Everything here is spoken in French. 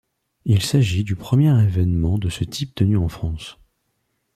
Il s'agit du premier événement de ce type tenu en France.